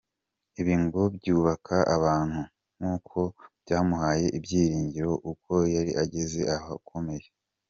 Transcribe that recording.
Ibi ngo byubaka abantu nk’uko byamuhaye ibyiringiro ubwo yari ageze ahakomeye.